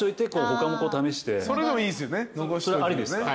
ありですか？